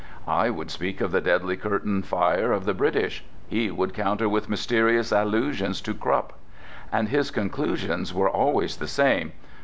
I would speak of the deadly curtain fire of the British; he would counter with mysterious allusions to Krupp. And his conclusions were always the same.